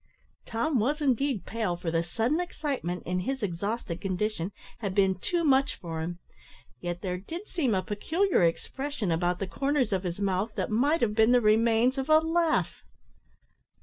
Tom was indeed pale, for the sudden excitement, in his exhausted condition had been too much for him; yet there did seem a peculiar expression about the corners of his mouth that might have been the remains of a laugh.